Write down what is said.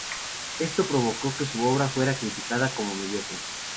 Esto provocó que su obra fuera criticada como "mediocre".